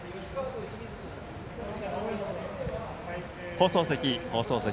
放送席、放送席。